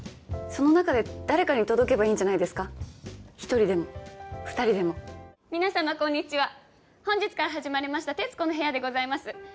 その中で誰かに届けばいいんじゃないですか１人でも２人でも皆様こんにちは本日から始まりました「徹子の部屋」でございます